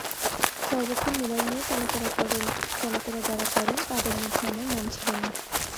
সর্বক্ষণ মোবাইল নিয়ে চলাফেরা যাঁরা করেন, তাঁদের মধ্যে আমার নাম ছিল না।